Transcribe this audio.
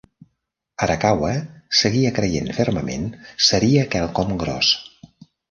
Arakawa seguia creient fermament seria quelcom gros.